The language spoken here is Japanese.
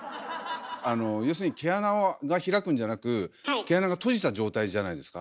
あの要するに毛穴が開くんじゃなく毛穴が閉じた状態じゃないですか。